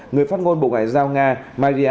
người phát ngôn bộ ngoại giao nga maria